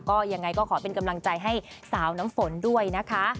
ก็ยังไงก็ขอเป็นกำลังใจให้สาวน้ำฝนด้วยนะคะ